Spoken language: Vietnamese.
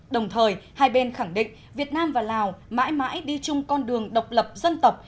đồng thời hai bên khẳng định việt nam và lào mãi mãi đi chung con đường độc lập dân tộc